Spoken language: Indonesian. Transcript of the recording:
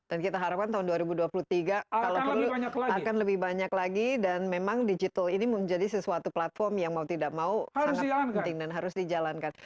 dan kita harapkan tahun dua ribu dua puluh tiga akan lebih banyak lagi dan memang digital ini menjadi sesuatu platform yang mau tidak mau sangat penting dan harus dijalankan